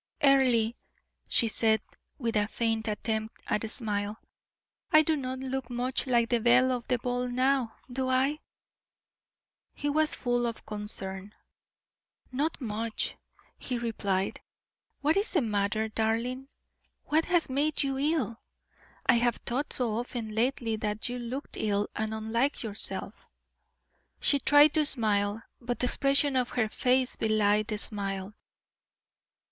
"Earle," she said, with a faint attempt at a smile, "I do not look much like the belle of the ball now, do I?" He was full of concern. "Not much," he replied. "What is the matter, darling? what has made you ill? I have thought so often lately that you looked ill and unlike yourself." She tried to smile, but the expression on her face belied the smile.